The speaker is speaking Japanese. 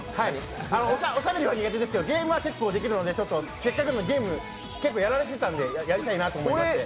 おしゃべりは苦手ですけどゲームはできるのでちょっとせっかくのゲーム結構やられてたんでやりたいなと思いまして。